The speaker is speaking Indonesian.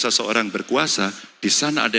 atau mundur mundur di dua ribu lima